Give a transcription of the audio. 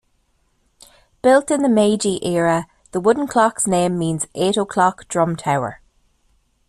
Built in the Meiji Era, the wooden clock's name means "eight o'clock drum tower".